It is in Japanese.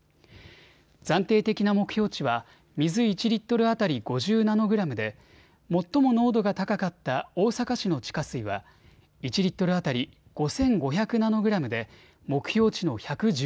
暫定的な目標値は水１リットル当たり５０ナノグラムで最も濃度が高かった大阪市の地下水は１リットル当たり５５００